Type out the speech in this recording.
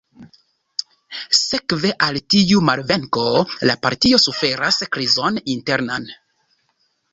Sekve al tiu malvenko, la partio suferas krizon internan.